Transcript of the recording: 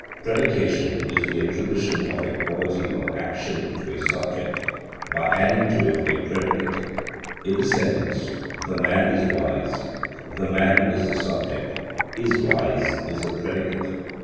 Predication is the attribution of a quality or action to a subject, by adding to it a predicate. In the sentence, "the man is wise," "the man" is the subject; "is wise" is the predicate.